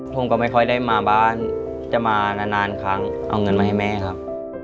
ผมก็ไม่ค่อยได้มาบ้านจะมานานครั้งเอาเงินมาให้แม่ครับ